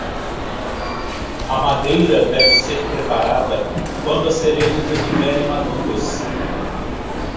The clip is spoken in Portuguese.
A madeira deve ser preparada quando as cerejas estiverem maduras.